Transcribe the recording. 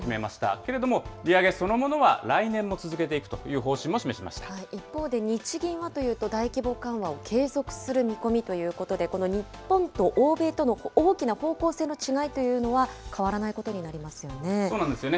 けれども利上げそのものは来年も続けていくという方針も示しまし一方で、日銀はというと、大規模緩和を継続する見込みということで、この日本と欧米との大きな方向性の違いというのは、変わらないことになりますよね。